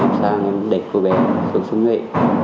em sang em đẩy cô bé xuống sông nhuệ